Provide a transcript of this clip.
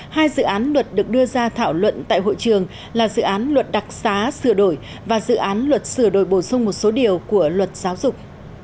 hai dự án luật được đưa ra thảo luận tại hội trường là dự án luật đặc xá sửa đổi và dự án luật sửa đổi bổ sung một số điều của luật giáo dục